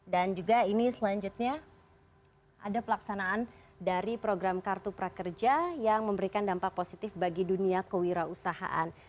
dan juga ini selanjutnya ada pelaksanaan dari program kartu prakerja yang memberikan dampak positif bagi dunia kewirausahaan